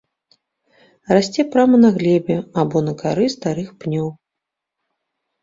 Расце прама на глебе або на кары старых пнёў.